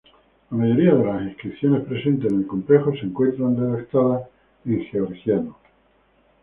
La mayoría de las inscripciones presentes en el complejo se encuentra redactada en georgiano.